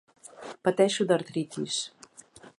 Pateixo d'artritis.